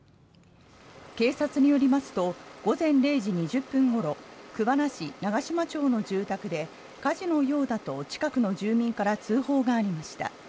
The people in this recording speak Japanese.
警察によりますと午前０時２０分ごろ桑名市長島町の住宅で火事のようだと近くの住民から通報がありました。